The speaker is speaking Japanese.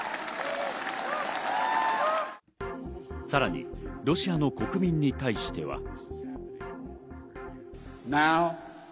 さらにロシアの国民に対しては。